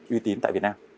uy tín tại việt nam